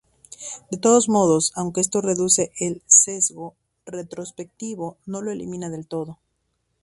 De todos modos, aunque esto reduce el sesgo retrospectivo, no lo elimina del todo.